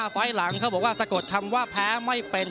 ไฟล์หลังเขาบอกว่าสะกดคำว่าแพ้ไม่เป็น